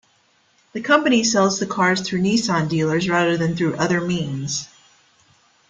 The company sells the cars through Nissan dealers rather than through other means.